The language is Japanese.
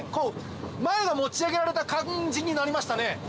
前が持ち上げられた感じになりましたね。